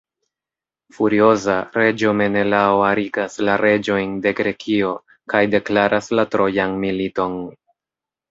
Furioza, reĝo Menelao arigas la reĝojn de Grekio, kaj deklaras la Trojan militon.